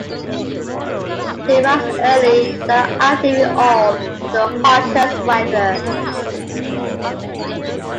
They rise early and are active in all but the hottest weather.